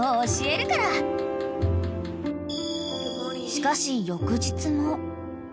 ［しかし翌日も］